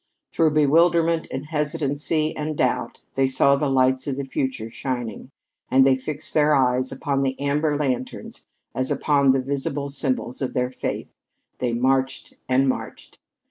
Through bewilderment and hesitancy and doubt, they saw the lights of the future shining, and they fixed their eyes upon the amber lanterns as upon the visible symbols of their faith; they marched and marched.